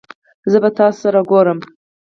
زه به تاسو سره ګورم